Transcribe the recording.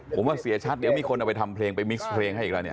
ผมว่าเสียชัดเดี๋ยวมีคนเอาไปทำเพลงไปมิกซ์เพลงให้อีกแล้วเนี่ย